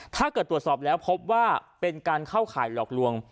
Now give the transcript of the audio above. ถ้าเกิดตรวจสอบแล้วพบว่าเป็นการเข้าข่ายหลอกลวง